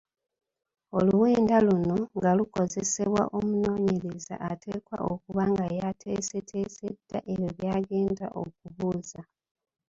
Oluwenda luno nga lukozesebwa omunoonyereza ateekwa okuba nga yateeseteese dda ebyo by'agenda okubuuza.